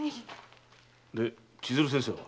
で千鶴先生は？